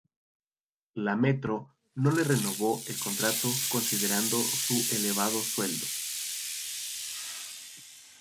La Metro no le renovó el contrato considerando su elevado sueldo.